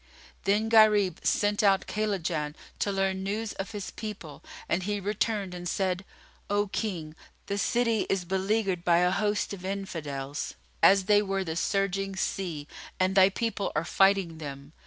Then Gharib sent out Kaylajan, to learn news of his people, and he returned and said, "O King, the city is beleaguered by a host of Infidels, as they were the surging sea, and thy people are fighting them.